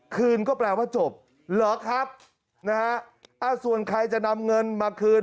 คืนก็แปลว่าจบเหรอครับนะฮะอ่าส่วนใครจะนำเงินมาคืน